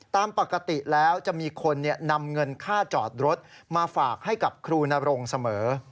ตามปกติแล้วจะมีคนนำเงินค่าจอดรถมาฝากให้กับครูนรงเสมอ